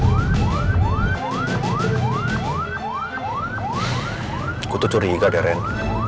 aku tuh curiga deh ren